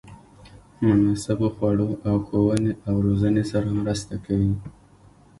مناسبو خوړو او ښوونې او روزنې سره مرسته کوي.